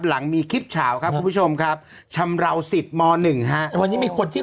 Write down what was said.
หลังมีคลิปเฉาครับคุณผู้ชมครับชำราวสิทธิ์มหนึ่งฮะวันนี้มีคนที่